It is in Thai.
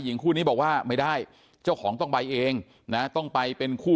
หญิงคู่นี้บอกว่าไม่ได้เจ้าของต้องไปเองนะต้องไปเป็นคู่